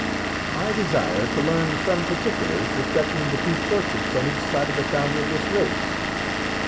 "I desire to learn some particulars respecting the two portraits on each side of the founder of this race."